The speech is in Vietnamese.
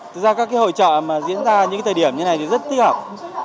thực ra các hội trợ diễn ra những thời điểm như này rất thích hợp